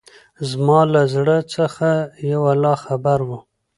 زما له زړه څخه يو الله خبر وو.